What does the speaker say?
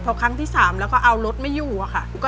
พอครั้งที่๓แล้วก็เอารถไม่อยู่อะค่ะ